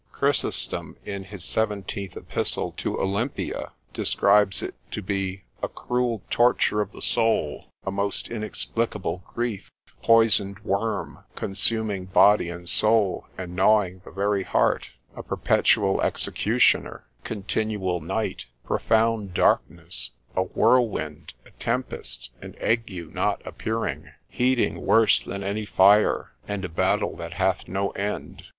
Chrysostom, in his seventeenth epistle to Olympia, describes it to be a cruel torture of the soul, a most inexplicable grief, poisoned worm, consuming body and soul, and gnawing the very heart, a perpetual executioner, continual night, profound darkness, a whirlwind, a tempest, an ague not appearing, heating worse than any fire, and a battle that hath no end.